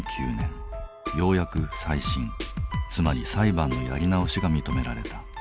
ようやく再審つまり裁判のやり直しが認められた。